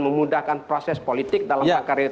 memudahkan proses politik dalam